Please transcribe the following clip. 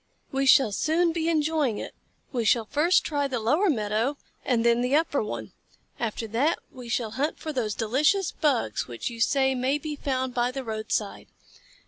"We shall soon be enjoying it. We shall first try the lower meadow and then the upper one. After that we shall hunt for those delicious Bugs which you say may be found by the roadside.